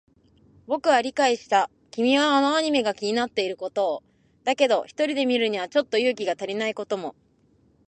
僕は理解した。君はあのアニメが気になっていることを。だけど、一人で見るにはちょっと勇気が足りないことも。